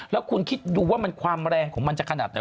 แล้วคุณคิดดูว่าความแรงของมันจะขนาดไหน